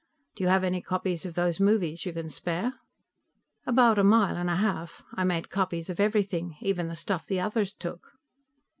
Do you have any copies of those movies you can spare?" "About a mile and a half. I made copies of everything, even the stuff the others took."